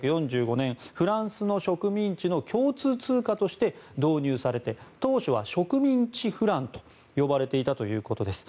フランスの植民地の共通通貨として導入されて当初は植民地フランと呼ばれていたということです。